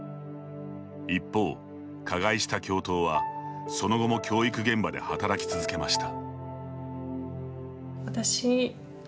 一方、加害した教頭は、その後も教育現場で働き続けました。